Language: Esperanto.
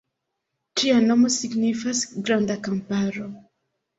Ĝia nomo signifas "Granda Kamparo".